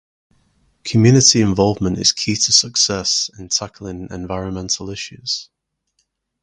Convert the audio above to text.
Community involvement is key to success in tackling environmental issues.